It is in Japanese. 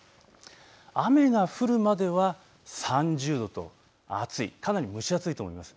雨が降るまでは３０度と暑い、かなり蒸し暑いと思います。